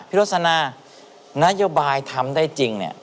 พี่โรศนานโยบายทำได้จริง